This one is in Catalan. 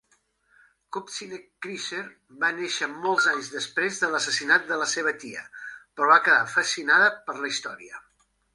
Kupcinet-Kriser va néixer molts anys després de l'assassinat de la seva tia, però va quedar fascinada per la història.